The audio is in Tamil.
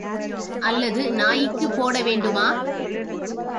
அல்லது நாய்க்குப் போடவேண்டுமா?